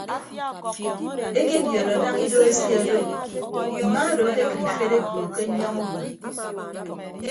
Ekebiodo daña ido eseedo mma odo akekịd ifed ekpo ke nnyọñọ udua.